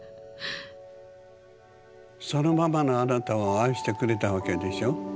そのままのあなたを愛してくれたわけでしょ？